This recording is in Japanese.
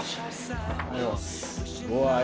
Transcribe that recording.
ありがとうございます。